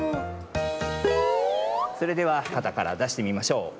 それではかたからだしてみましょう。